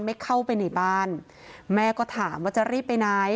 ไม่เข้าไปในบ้านแม่ก็ถามว่าจะรีบไปไหน